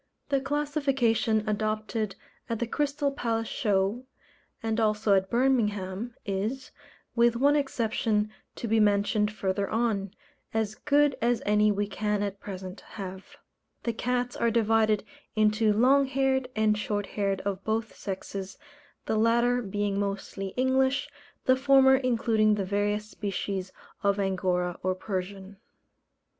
The classification adopted at the Crystal Palace Show, and also at Birmingham, is with one exception, to be mentioned further on as good as any we can at present have. The cats are divided into long haired and short haired of both sexes, the latter being mostly English, the former including the various species of Angora or Persian.